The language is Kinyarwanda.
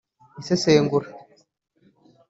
Isesengura